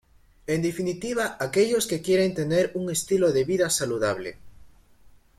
En definitiva aquellos que quieren tener un estilo de vida saludable.